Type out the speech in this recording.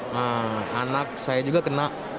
nah anak saya juga kena